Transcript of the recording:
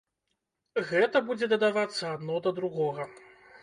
Гэта будзе дадавацца адно да другога.